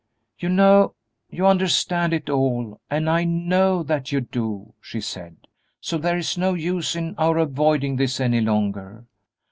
"You know, you understand it all, and I know that you do," she said, "so there is no use in our avoiding this any longer.